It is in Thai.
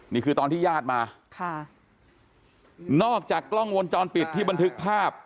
นี่คือตอนที่ญาติมาค่ะนอกจากกล้องวงจรปิดที่บันทึกภาพ